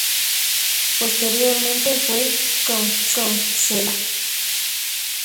Posteriormente fue concejala.